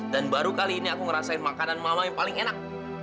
dan baru kali ini aku ngerasain makanan mama yang paling enak